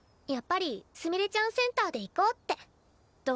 やっぱりすみれちゃんセンターでいこうって。